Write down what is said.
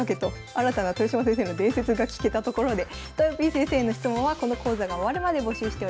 新たな豊島先生の伝説が聞けたところでとよぴー先生への質問はこの講座が終わるまで募集しております。